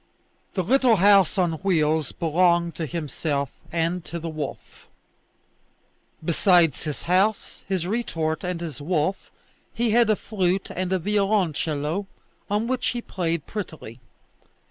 The little house on wheels belonged to himself and to the wolf. Besides his house, his retort, and his wolf, he had a flute and a violoncello on which he played prettily.